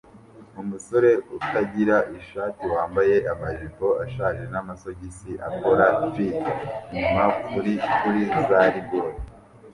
Umusore utagira ishati wambaye amajipo ashaje n'amasogisi akora flip inyuma kuri kuri za rigore